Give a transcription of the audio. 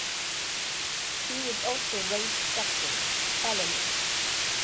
He is also Rey's stepson, Elul.